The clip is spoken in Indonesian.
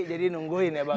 jadi nungguin ya bang